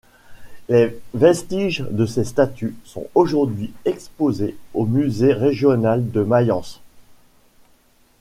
Les vestiges de ces statues sont aujourd'hui exposés au musée régional de Mayence.